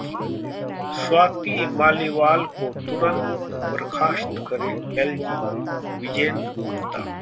स्वाति मालिवाल को तुरंत बर्खास्त करें एलजी: विजेंद्र गुप्ता